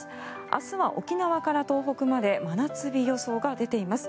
明日は沖縄から東北まで真夏日予想が出ています。